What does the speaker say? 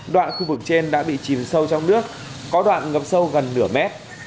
đoạn khu vực trên đã bị chìm sâu trong nước có đoạn ngập sâu gần nửa mét